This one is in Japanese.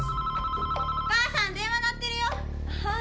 お母さん電話鳴ってるよ！